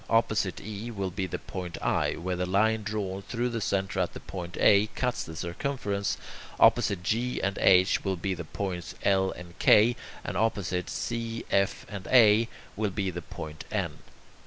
Opposite E will be the point I, where the line drawn through the centre at the point A cuts the circumference; opposite G and H will be the points L and K; and opposite C, F, and A will be the point N.